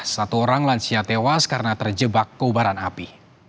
satu orang lansia tewas karena terjebak keubaran api